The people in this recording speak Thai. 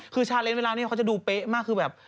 คือชาเลนสเวลานี้เขาจะดูเป๊ะมากคือแบบ